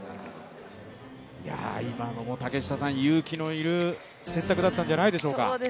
今のも勇気のいる選択だったんじゃないでしょうか。